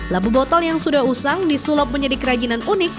labu botol yang sudah usang disulap menjadi kerajinan unik